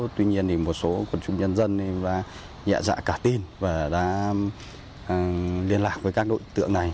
tuy nhiên thì một số quần chúng nhân dân đã nhẹ dạ cả tin và đã liên lạc với các đối tượng này